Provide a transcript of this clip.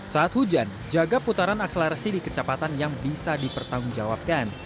saat hujan jaga putaran akselerasi di kecepatan yang bisa dipertanggungjawabkan